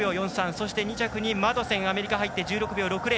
そして、２着にマドセンアメリカが入って１６秒６０。